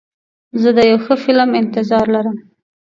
زه د یو ښه فلم انتظار لرم.